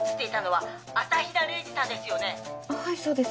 はいそうです。